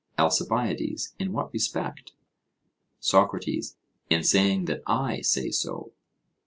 ALCIBIADES: In what respect? SOCRATES: In saying that I say so.